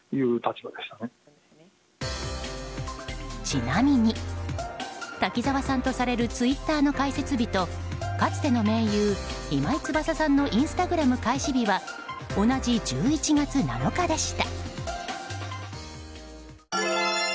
ちなみに、滝沢さんとされるツイッターの開設日とかつての盟友、今井翼さんのインスタグラム開始日は同じ１１月７日でした。